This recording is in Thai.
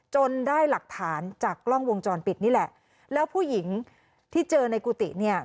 ได้หลักฐานจากกล้องวงจรปิดนี่แหละแล้วผู้หญิงที่เจอในกุฏิเนี่ย